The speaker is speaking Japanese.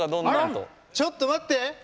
ちょっと待って！